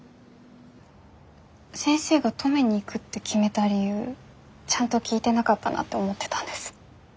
先生が登米に行くって決めた理由ちゃんと聞いてなかったなって思ってたんです。